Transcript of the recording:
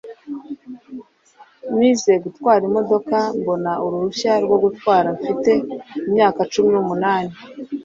Nize gutwara imodoka mbona uruhushya rwo gutwara mfite imyaka cumi numunani